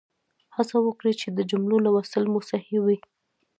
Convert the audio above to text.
هڅه وکړئ چې د جملو لوستل مو صحیح وي.